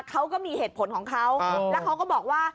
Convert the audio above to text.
เขาก็มีเหตุผลของเขาแล้วเขาก็บอกว่า